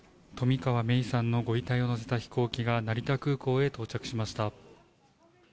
冨川芽生さんのご遺体を乗せた飛行機が、成田空港へ到着しました。